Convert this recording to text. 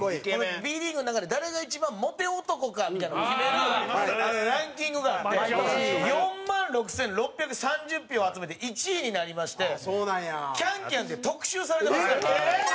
Ｂリーグの中で誰が一番モテ男かみたいなのを決めるランキングがあって４万６６３０票集めて１位になりまして『ＣａｎＣａｍ』で特集されてますからね。